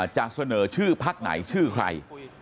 จะเสนอชื่อพักไหนชื่อใคร